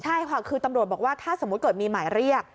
ใช่ค่ะคือตำรวจบอกว่าถ้าสมมุติเกิดมีหมายเรียก